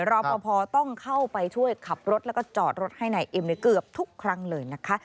รอปภต้องเข้าไปช่วยขับรถแล้วก็จอดรถให้นายเอ็มเกือบทุกครั้งเลยนะคะ